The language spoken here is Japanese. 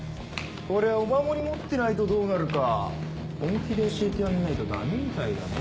こりゃお守り持ってないとどうなるか本気で教えてやんないとダメみたいだね。